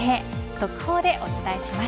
速報でお伝えします。